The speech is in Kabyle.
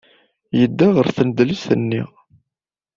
Yedda ɣer tnedlist-nni.